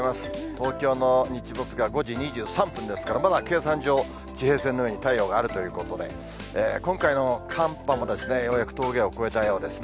東京の日没が５時２３分ですから、まだ計算上、地平線の上に太陽があるということで、今回の寒波もようやく峠を越えたようですね。